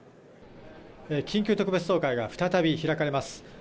緊急特別総会が再び開かれます。